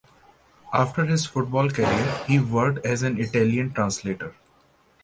After his football career he worked as an Italian translator.